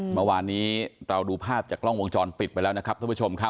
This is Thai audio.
เมื่อวานนี้เราดูภาพจากกล้องวงจรปิดไปแล้วนะครับท่านผู้ชมครับ